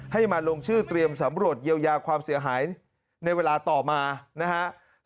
ให้มาลงชื่อเตรียมสำรวจเยียวยาความเสียหายในเวลาต่อมานะครับ